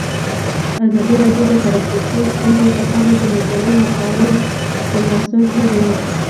ازادي راډیو د ټرافیکي ستونزې په اړه د مجلو مقالو خلاصه کړې.